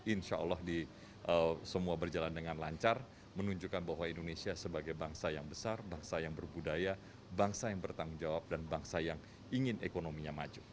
insya allah semua berjalan dengan lancar menunjukkan bahwa indonesia sebagai bangsa yang besar bangsa yang berbudaya bangsa yang bertanggung jawab dan bangsa yang ingin ekonominya maju